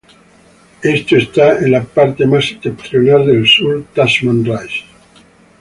Esto está en la parte más septentrional del Sur Tasman Rise.